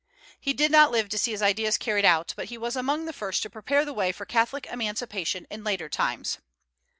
He did not live to see his ideas carried out, but he was among the first to prepare the way for Catholic emancipation in later times.